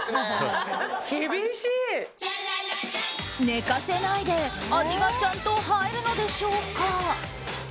寝かせないで味がちゃんと入るのでしょうか？